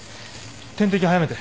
点滴速めて。